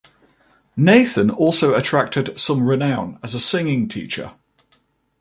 Nathan also attracted some renown as a singing teacher.